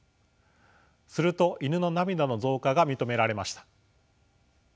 するとイヌの涙の増加が認められました。